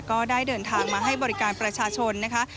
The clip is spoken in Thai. ก็ได้เดินทางมาให้บริการประชาชนนะคะ